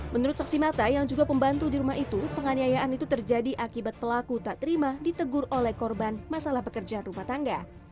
menurut saksi mata yang juga pembantu di rumah itu penganiayaan itu terjadi akibat pelaku tak terima ditegur oleh korban masalah pekerjaan rumah tangga